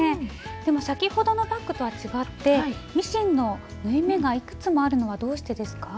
でも先ほどのバッグとは違ってミシンの縫い目がいくつもあるのはどうしてですか？